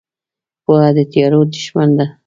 پوهه د تیارو دښمن ده.